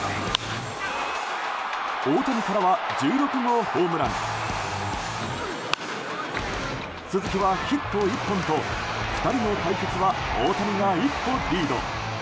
大谷からは１６号ホームラン鈴木はヒット１本と２人の対決は大谷が一歩リード。